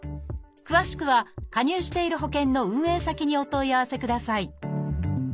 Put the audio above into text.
詳しくは加入している保険の運営先にお問い合わせください